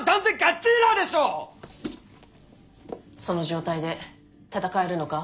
その状態で戦えるのか？